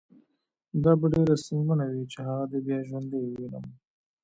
دا به ډېره ستونزمنه وي چې هغه دې بیا ژوندی ووینم